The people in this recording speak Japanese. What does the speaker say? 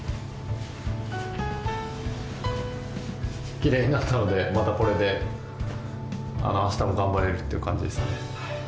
きれいになったのでまたこれで明日も頑張れるっていう感じですね。